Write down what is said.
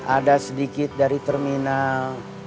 ada sedikit dari terminal